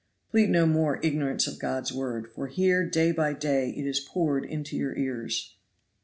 "Plead no more ignorance of God's Word, for here day by day it is poured into your ears.